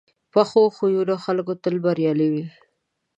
پخو خویو خلک تل بریالي وي